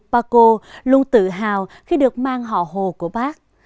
bà cô luôn tự hào khi được mang họ hồ của bác